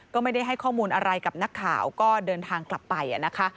ก็ไม่ได้ให้ข้อมูลอะไรกับนักข่าวก็เดินทางกลับไปนะคะ